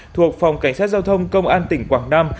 thuộc phòng cảnh sát giao thông công an tỉnh quảng nam